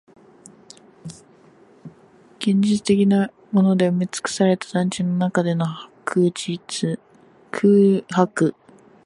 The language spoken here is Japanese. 現実的なもので埋めつくされた団地の中での空白